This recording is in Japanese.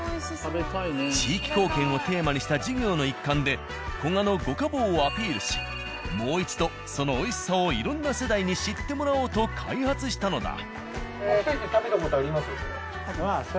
地域貢献をテーマにした授業の一環で古河の御家寶をアピールしもう一度そのおいしさをいろんな世代に知ってもらおうと開発したのだ。